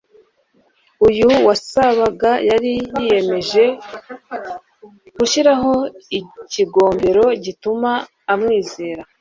uyu wasabaga yari yiyemeje gushyiraho ikigombero gituma amwizera